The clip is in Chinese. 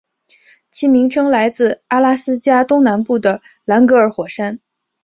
其名称来自阿拉斯加东南部的兰格尔火山。